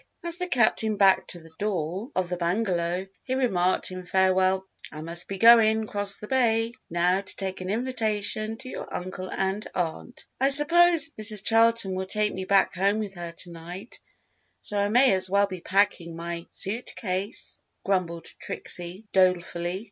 As the Captain backed to the door of the bungalow, he remarked in farewell, "I must be goin' across the bay, now, to take an invitation to your uncle and aunt." "I s'pose Mrs. Charlton will take me back home with her to night, so I may as well be packing my suit case," grumbled Trixie, dolefully.